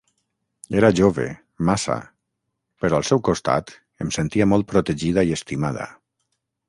Era jove, massa... però al seu costat em sentia molt protegida i estimada...